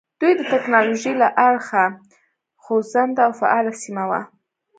دوی د ټکنالوژۍ له اړخه خوځنده او فعاله سیمه وه.